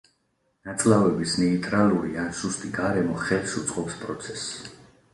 ნაწლავების ნეიტრალური ან სუსტი გარემო ხელს უწყობს პროცესს.